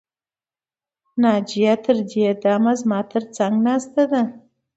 ناجیه تر دې دمه زما تر څنګ ناسته ده